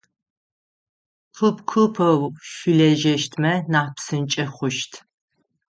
Куп-купэу шъулэжьэщтмэ нахь псынкӏэ хъущт.